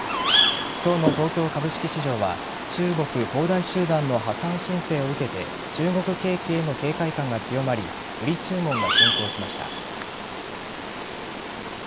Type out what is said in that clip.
今日の東京株式市場は中国恒大集団の破産申請を受けて中国景気への警戒感が強まり売り注文が先行しました。